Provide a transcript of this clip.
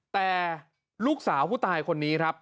แต่ลูกสาวผู้ตายคนนี้ครับ